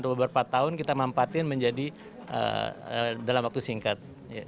beberapa tahun kita mampatin menjadi dalam waktu singkat